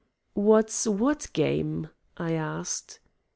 "What's what game?" I asked.